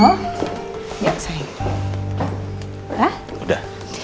oh kawan pria